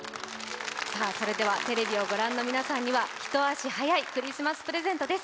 それではテレビをご覧の皆さんには、一足早いクリスマスプレゼントです。